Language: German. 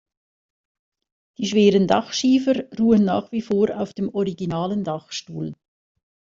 Die schweren Dachschiefer ruhen nach wie vor auf dem originalen Dachstuhl.